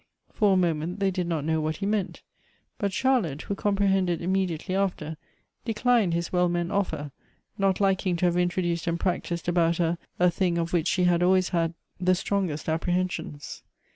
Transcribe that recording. For a moment they did not know what he meant ; but Charlotte, who comprehended immediately after, declined his well meant ofier, not liking to have introduced and practised about her a thing of which she had always had the strongest ajjprehensions.